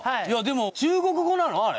いやでも中国語なの？